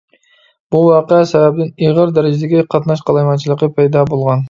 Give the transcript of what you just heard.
بۇ ۋەقە سەۋەبىدىن ئېغىر دەرىجىدىكى قاتناش قالايمىقانچىلىقى پەيدا بولغان.